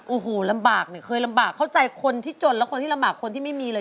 โอ้โหลำบากเนี่ยเคยลำบากเข้าใจคนที่จนและคนที่ลำบากคนที่ไม่มีเลย